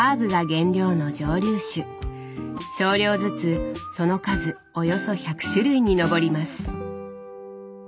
少量ずつその数およそ１００種類に上ります。